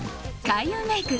開運メイク